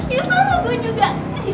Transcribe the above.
ya salah gue juga